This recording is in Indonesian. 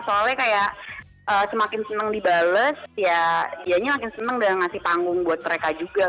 soalnya kayak semakin seneng dibales ya dianya makin seneng udah ngasih panggung buat mereka juga